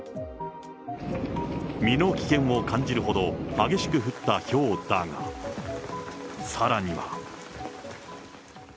身の危険を感じるほど激しく降ったひょうだが、さらには。